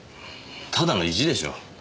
ただの意地でしょう。